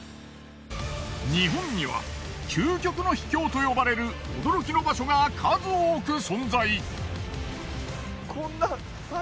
日本には究極の秘境と呼ばれる驚きの場所が数多く存在。